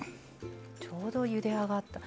ちょうどゆで上がった。